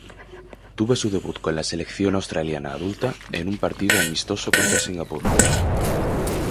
Tuvo su debut con la selección australiana adulta en un partido amistoso contra Singapur.